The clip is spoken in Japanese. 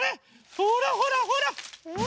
ほらほらほら！